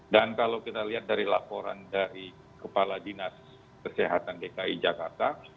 dan kalau kita lihat dari laporan dari kepala dinas kesehatan dki jakarta